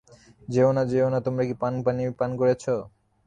যেও না, যেও না তোমরা কি পানি পান করেছো?